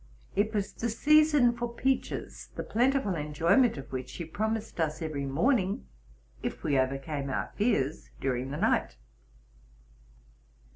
It was the season for peaches, the plenti ful enjoyment of which she promised us every morning if we overcame our fears during the night.